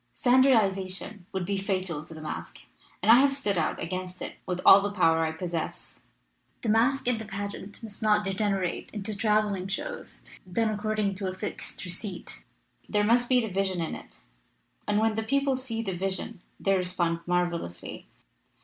Standardization would be fatal to the masque, and I have stood out against it with all the power I possess. The masque and the pageant must not degenerate into traveling shows, done according to a fixed receipt. There must be the vision in it, and when the people see the vision they respond marvelously."